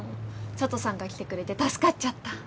佐都さんが来てくれて助かっちゃった。